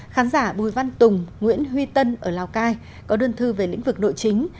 khán giả bùi văn tùng nguyễn huy tân ở lào cai có đơn thư về lĩnh vực nội chính